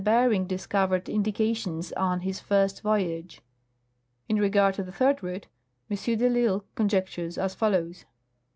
Bering discovered indications on his first voyage.' " In regard to the third route, M. de I'lsle conjectures as follows :" 3.